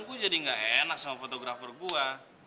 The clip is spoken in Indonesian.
gue jadi ga enak sama fotografer gua